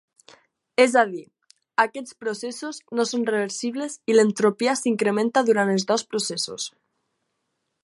És a dir, aquests processos no són reversibles i l'entropia s'incrementa durant els dos processos.